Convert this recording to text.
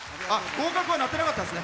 合格は鳴ってなかったですね。